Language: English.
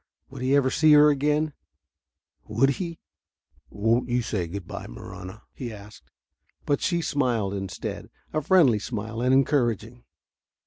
Would he ever see her again ... would he? "Won't you say good by, Marahna?" he asked. But she smiled, instead a friendly smile, and encouraging.